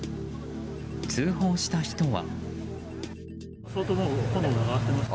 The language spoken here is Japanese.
通報した人は。